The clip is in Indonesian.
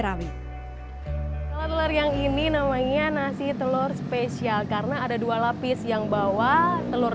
rame kalau telur yang ini namanya nasi telur spesial karena ada dua lapis yang bawa telur